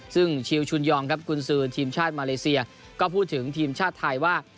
ซึ่งชิลชุนยองครับกุญซือทีมชาติมาเลเซียก็พูดถึงทีมชาติไทยว่า